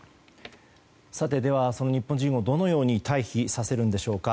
その日本人をどのように退避させるのでしょうか。